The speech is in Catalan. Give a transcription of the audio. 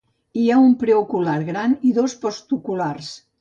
Hi ha un preocular gran i dos postoculars.